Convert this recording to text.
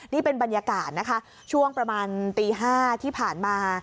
นี่เป็นบรรยากาศนะคะช่วงประมาณตี๕ที่ผ่านมา